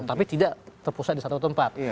tapi tidak terpusat di satu tempat